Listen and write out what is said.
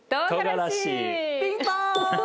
ピンポーン！